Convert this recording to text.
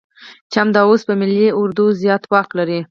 چې همدا اوس په ملي اردو زيات واک لري.